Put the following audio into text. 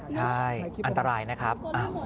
ใช่อันตรายนะครับ